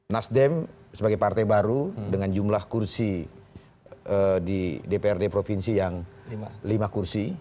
nasdem sebagai partai baru dengan jumlah kursi di dprd provinsi yang lima kursi